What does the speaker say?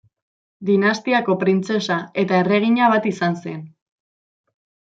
Dinastiako printzesa eta erregina bat izan zen.